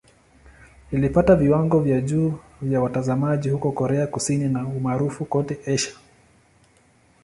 Ilipata viwango vya juu vya watazamaji huko Korea Kusini na umaarufu kote Asia.